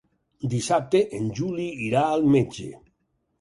Dissabte en Juli irà al metge.